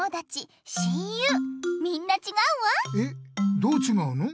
どうちがうの？